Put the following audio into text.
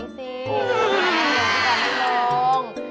อย่างที่เราไม่ลอง